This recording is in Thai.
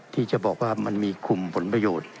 ที่จะบอกว่ามันมีคุมผลประโยชน์